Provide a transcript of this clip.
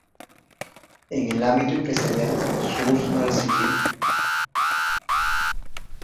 En el ámbito empresarial su uso es más restringido.